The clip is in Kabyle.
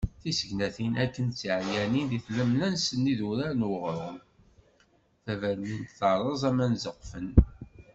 Tisegnatin akken d tiɛeryanin di tlemmast n idurar n uɣrum. Tabernint terreẓ aman ẓeqfen.